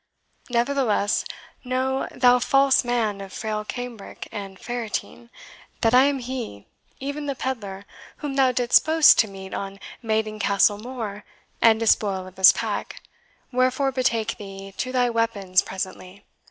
Nevertheless, know, thou false man of frail cambric and ferrateen, that I am he, even the pedlar, whom thou didst boast to meet on Maiden Castle moor, and despoil of his pack; wherefore betake thee to thy weapons presently."